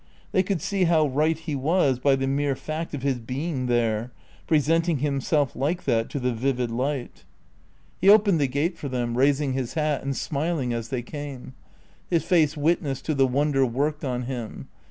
They could see how right he was by the mere fact of his being there, presenting himself like that to the vivid light. He opened the gate for them, raising his hat and smiling as they came. His face witnessed to the wonder worked on him.